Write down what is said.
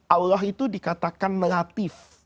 allah itu dikatakan latif